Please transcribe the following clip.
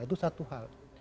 itu satu hal